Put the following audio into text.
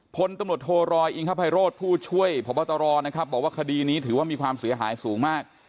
พลตำรวจโทรอยอิงคภัยโรธผู้ช่วยพบตรนะครับบอกว่าคดีนี้ถือว่ามีความเสียหายสูงมาก